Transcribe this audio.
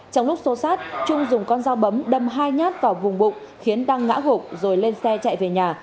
trong lúc xô sát trung dùng con dao bấm đâm hai nhát vào vùng bụng khiến đăng ngã hộp rồi lên xe chạy về nhà